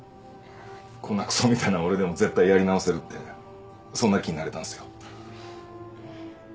こんなくそみたいな俺でも絶対やり直せるってそんな気になれたんすよ。